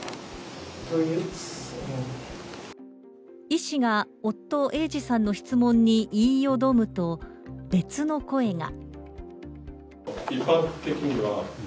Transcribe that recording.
医師が夫・英治さんの質問に言いよどむと、別の声が。